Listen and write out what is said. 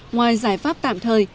ngoài giải pháp tạm thời